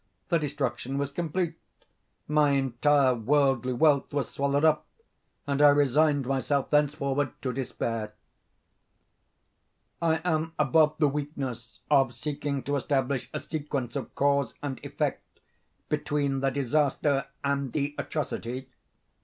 The destruction was complete. My entire worldly wealth was swallowed up, and I resigned myself thenceforward to despair. I am above the weakness of seeking to establish a sequence of cause and effect, between the disaster and the atrocity.